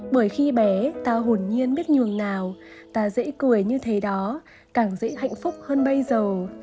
bởi khi bé ta hồn nhiên biết nhường nào ta dễ cười như thế đó càng dễ hạnh phúc hơn bây giờ